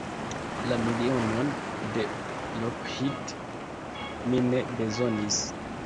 La milionon de Lockheed mi ne bezonis.